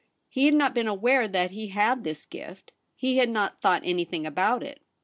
He had not been aware that he had this gift ; he had not thought anything about it.